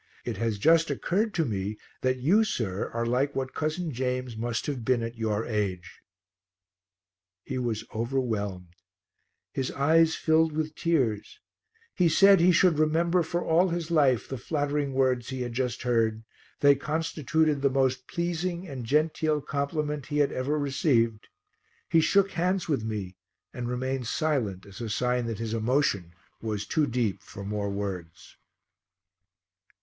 It has just occurred to me that you, sir, are like what cousin James must have been at your age." He was overwhelmed; his eyes filled with tears; he said he should remember for all his life the flattering words he had just heard; they constituted the most pleasing and genteel compliment he had ever received; he shook hands with me and remained silent as a sign that his emotion was too deep for more words.